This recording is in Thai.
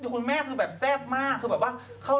คุณแม่แซ่บมาก